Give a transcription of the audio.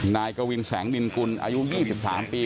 นายกวินแสงนินกุลอายุ๒๓ปี